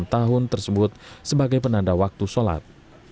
dua ratus enam puluh enam tahun tersebut sebagai penanda waktu sholat